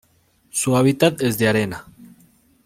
Su hábitat es de arena.